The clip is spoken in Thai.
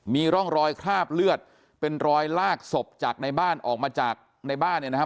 มีร่องรอยคราบเลือดเป็นรอยลากศพจากในบ้านออกมาจากในบ้านเนี่ยนะครับ